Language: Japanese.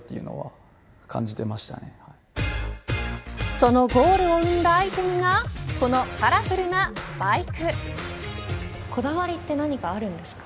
そのゴールを生んだアイテムがこのカラフルなスパイク。